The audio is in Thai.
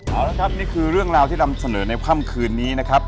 เอาละครับนี่คือเรื่องราวที่นำเสนอในค่ำคืนนี้นะครับ